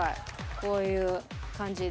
こういう感じで。